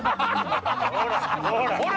ほら！